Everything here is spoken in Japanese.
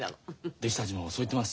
弟子たちもそう言ってます。